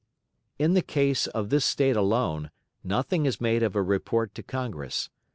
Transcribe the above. (In the case of this State alone nothing is said of a report to Congress.